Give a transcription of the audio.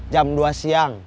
jam dua siang